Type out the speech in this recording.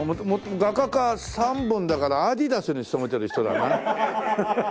画家か３本だからアディダスに勤めてる人だな。